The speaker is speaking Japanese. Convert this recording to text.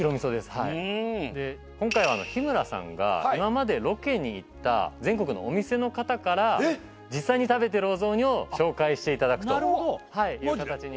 はい今回は日村さんが今までロケに行った全国のお店の方から実際に食べてるお雑煮を紹介していただくとマジで？